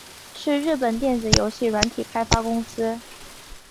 是日本电子游戏软体开发公司。